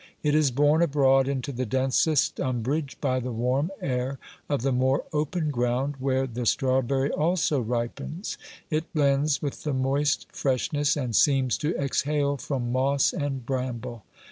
It is borne abroad into the densest umbrage by the warm air of the more open ground, where the strawberry also ripens ; it blends with the moist freshness and seems to exhale from moss and bramble.